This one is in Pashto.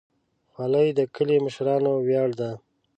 خولۍ د کلي د مشرانو ویاړ ده.